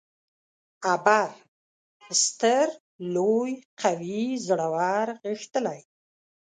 ابر: ستر ، لوی ، قوي، زورور، غښتلی